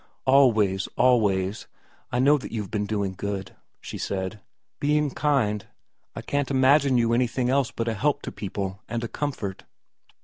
' Always, always I know that you've been doing good,' she said, ' being kind. I can't imagine you anything else but a help to people and a comfort.'